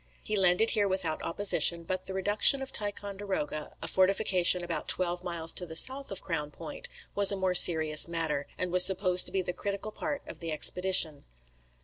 He landed here without opposition; but the reduction of Ticonderoga, a fortification about twelve miles to the south of Crown Point, was a more serious matter, and was supposed to be the critical part of the expedition.